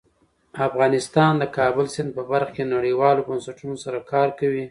افغانستان د د کابل سیند په برخه کې نړیوالو بنسټونو سره کار کوي.